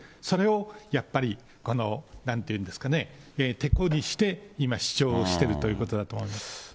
それをやっぱり、この、なんと言うんですかね、てこにして、今、主張をしているということだと思います。